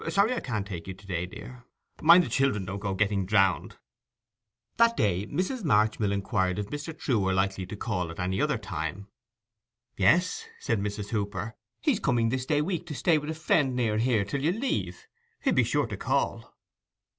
Sorry I can't take you to day, dear. Mind the children don't go getting drowned.' That day Mrs. Marchmill inquired if Mr. Trewe were likely to call at any other time. 'Yes,' said Mrs. Hooper. 'He's coming this day week to stay with a friend near here till you leave. He'll be sure to call.